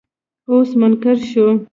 اوس منکر شو.